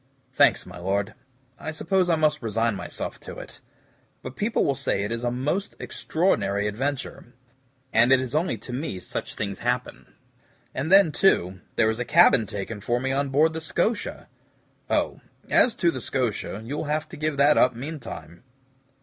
"Thanks, my Lord. I suppose I must resign myself to it; but people will say it is a most extraordinary adventure, and it is only to me such things happen. And then, too, there is a cabin taken for me on board the SCOTIA." "Oh, as to the SCOTIA, you'll have to give that up meantime."